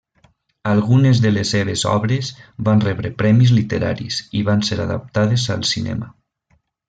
Algunes de les seves obres van rebre premis literaris i van ser adaptades al cinema.